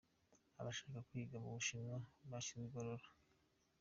Abashaka kwiga mu Bushinwa bashyizwe igorora.